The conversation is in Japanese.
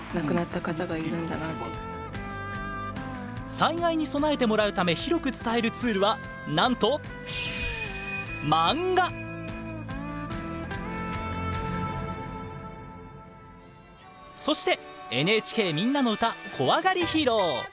災害に備えてもらうため広く伝えるツールはなんとそして「ＮＨＫみんなのうた」